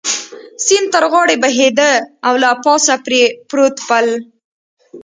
سیند تر غاړې بهېده او له پاسه پرې پروت پل.